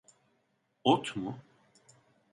Ot mu?